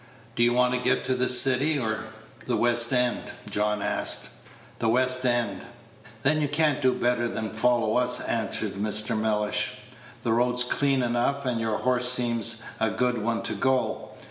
"Do you want to get to the city or the West End?" John asked. "The West End." "Then you can't do better than follow us," answered Mr. Mellish; "the road's clean enough, and your horse seems a good one to go.